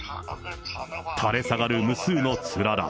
垂れ下がる無数のつらら。